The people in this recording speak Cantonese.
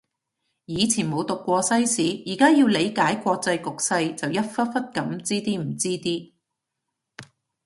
以前冇讀過西史，而家要理解國際局勢就一忽忽噉知啲唔知啲